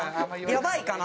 やばいかな？